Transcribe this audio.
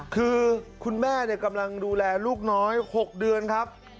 คือคุณแม่กำลังดูแลลูกน้อย๖เดือนครับ